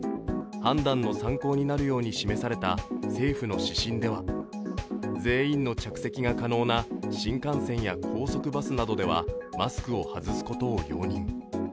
判断の参考になるように示された政府の指針では、全員の着席が可能な新幹線や高速バスなどではマスクを外すことを容認。